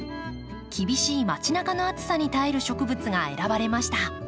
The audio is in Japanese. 厳しいまち中の暑さに耐える植物が選ばれました。